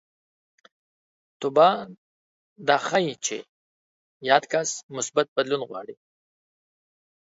توبه دا ښيي چې یاد کس مثبت بدلون غواړي